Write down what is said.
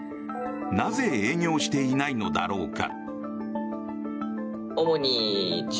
なぜ営業していないのだろうか。